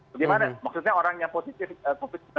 bagaimana maksudnya orang yang positif covid sembilan belas